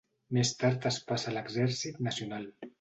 Més tard es passa a l'exèrcit nacional.